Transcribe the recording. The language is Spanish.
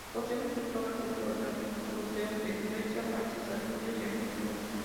Poseen sus obras, entre otros, museos de Suecia, Francia, Estados Unidos y Argentina.